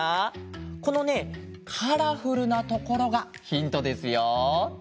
このねカラフルなところがヒントですよ。